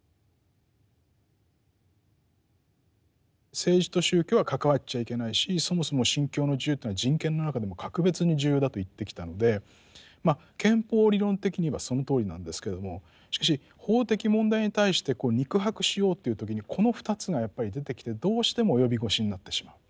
政治と宗教は関わっちゃいけないしそもそも信教の自由というのは人権の中でも格別に重要だと言ってきたのでまあ憲法理論的にはそのとおりなんですけれどもしかし法的問題に対して肉薄しようという時にこの２つがやっぱり出てきてどうしても及び腰になってしまう。